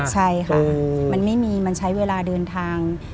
ใช่ค่ะมันไม่มีมันใช้เวลาเดินทาง